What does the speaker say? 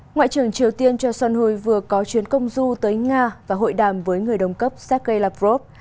ngoại trưởng triều tiên johnson hui vừa có chuyến công du tới nga và hội đàm với người đồng cấp sergei lavrov